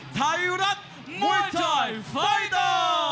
ไทยรัฐมวยไทยไฟเตอร์